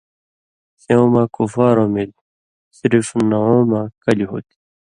سیوں مہ (کُفارؤں مِلیۡ) صرف نوؤں مہ کلیۡ ہُو تھی۔